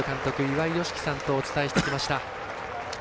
岩井美樹さんとお伝えしてきました。